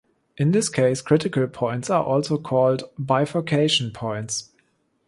In this case, critical points are also called "bifurcation points".